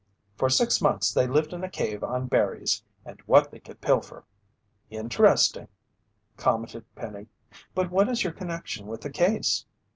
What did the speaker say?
For six months they lived in a cave on berries and what they could pilfer." "Interesting," commented Penny, "but what is your connection with the case?"